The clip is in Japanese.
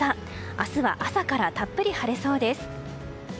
明日は朝からたっぷり晴れそうです。